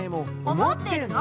思ってるの？